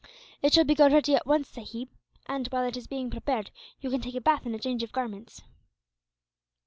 "It shall be got ready, at once, sahib; and, while it is being prepared, you can take a bath and a change of garments."